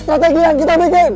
strategi yang kita bikin